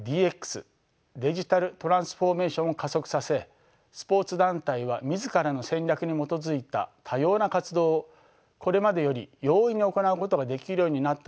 デジタルトランスフォーメーションを加速させスポーツ団体は自らの戦略に基づいた多様な活動をこれまでより容易に行うことができるようになったとも言えます。